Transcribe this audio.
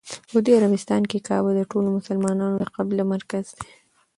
سعودي عربستان کې کعبه د ټولو مسلمانانو د قبله مرکز دی.